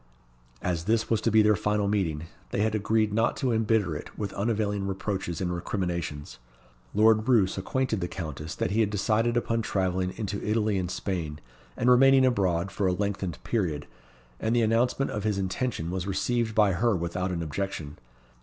As this was to be their final meeting, they had agreed not to embitter it with unavailing reproaches and recriminations. Lord Roos acquainted the Countess that he had decided upon travelling into Italy and Spain, and remaining abroad for a lengthened period; and the announcement of his intention was received by her without an objection.